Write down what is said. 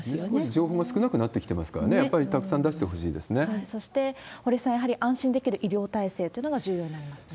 情報も少なくなってきていますからね、やっぱりたくさん出しそして、堀さん、やはり安心できる医療体制というのが重要になりますね。